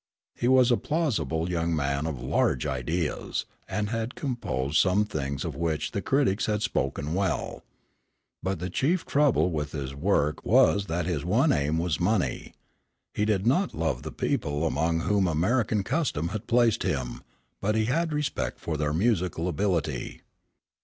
He was a plausible young man of large ideas, and had composed some things of which the critics had spoken well. But the chief trouble with his work was that his one aim was money. He did not love the people among whom American custom had placed him, but he had respect for their musical ability.